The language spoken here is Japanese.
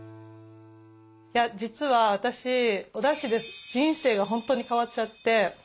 実は私おだしで人生が本当に変わっちゃって。